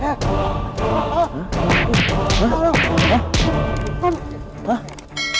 kebanai dogan ngangguk sukurin ii trust